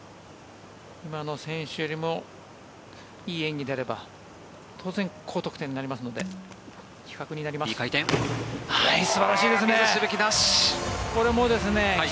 今の選手よりもいい演技であれば当然、高得点になりますので比較になります。